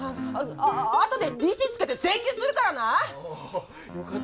ああとで利子つけて請求するからな⁉よかった。